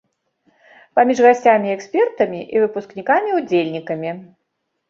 Паміж гасцямі-экспертамі і выпускнікамі-удзельнікамі.